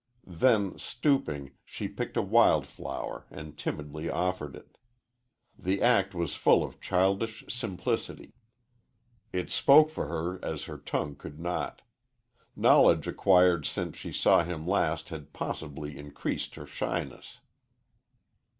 Then, stooping, she picked a wild flower and timidly offered it. The act was full of childish simplicity. It spoke for her as her tongue could not. Knowledge acquired since she saw him last had possibly increased her shyness.